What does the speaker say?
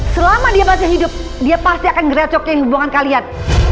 selama dia masih hidup dia pasti akan ngerecokin hubungan kalian